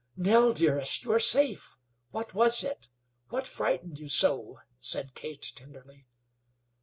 "Nell, dearest, you are safe. What was it? What frightened you so?" said Kate, tenderly.